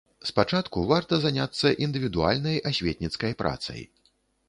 Спачатку варта заняцца індывідуальнай асветніцкай працай.